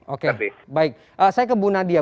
oke baik saya ke bu nadia